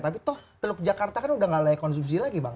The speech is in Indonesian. tapi toh teluk jakarta kan udah gak layak konsumsi lagi bang